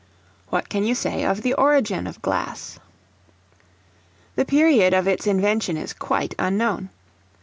What can you say of the origin of Glass? The period of its invention is quite unknown.